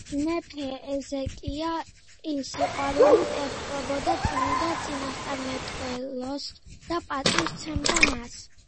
მეფე ეზეკია კი სიყვარულით ეპყრობოდა წმიდა წინასწარმეტყველს და პატივს სცემდა მას.